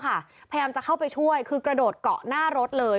พยายามจะเข้าไปช่วยคือกระโดดเกาะหน้ารถเลย